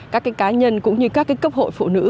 các cá nhân cũng như các cấp hội phụ nữ